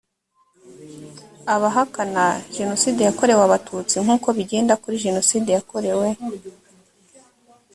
abahakana jenoside yakorewe abatutsi nkuko bigenda kuri jenoside yakorewe